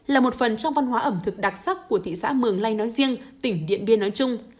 là một phần trong văn hóa ẩm thực đặc sắc của thị xã mường lây nói riêng tỉnh điện biên nói chung